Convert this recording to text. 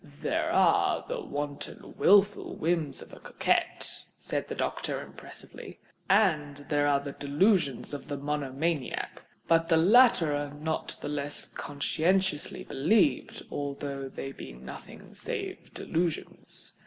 "There are the wanton, wilful whims of a coquette," said the doctor, impressively; "and there are the delusions of the monomaniac—but the latter are not the less conscientiously believed, although they be nothing save delusions."